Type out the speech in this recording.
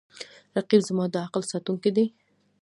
رقیب زما د عقل ساتونکی دی